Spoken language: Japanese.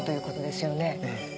ええ。